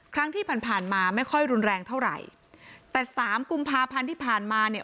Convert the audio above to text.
ครั้งที่ผ่านมาไม่ค่อยรุนแรงเท่าไหร่แต่สามกุมภาพันธ์ที่ผ่านมาเนี่ย